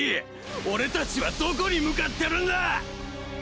俺達はどこに向かってるんだ！？